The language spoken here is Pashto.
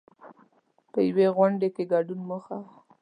په یوې غونډې کې ګډون موخه وه.